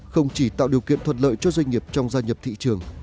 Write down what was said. không chỉ tạo điều kiện thuận lợi cho doanh nghiệp trong gia nhập thị trường